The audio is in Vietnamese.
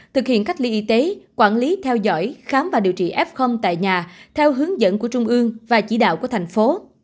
thực hiện cách ly y tế quản lý theo dõi khám và điều trị f tại nhà theo hướng dẫn của trung ương và chỉ đạo của thành phố